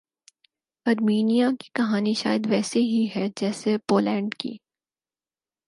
Armenia کی کہانی شاید ویسےہی ہے جیسے پولینڈ کی